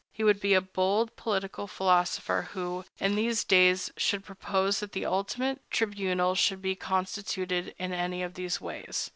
He would be a bold political philosopher who, in these days, should propose that the ultimate tribunal should be constituted in any of these ways.